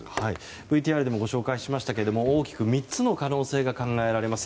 ＶＴＲでもご紹介しましたけれども大きく３つの可能性が考えられます。